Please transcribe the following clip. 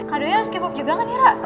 kado nya harus k pop juga kan ya ra